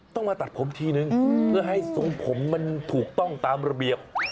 ต้องมาตัดผมทีนึงเพื่อให้ทรงผมมันถูกต้องตามระเบียบ